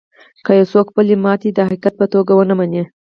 که يو څوک خپله ماتې د حقيقت په توګه و نه مني.